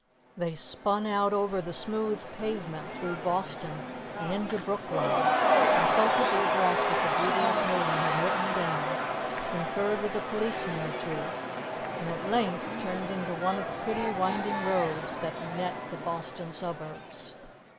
They spun out over the smooth pavement through Boston and into Brookline, consulted the address that the Beauteous Maiden had written down, conferred with a policeman or two, and at length turned into one of the pretty winding roads that net the Boston suburbs.